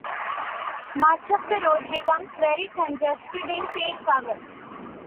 Much of the route becomes very congested in peak hour.